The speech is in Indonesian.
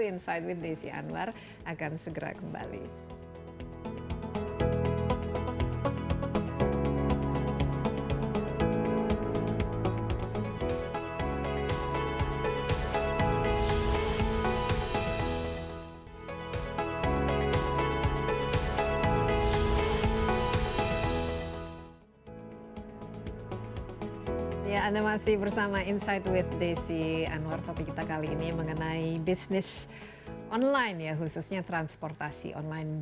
inside with desi anwar akan segera kembali